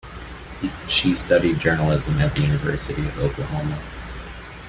She studied journalism at the University of Oklahoma.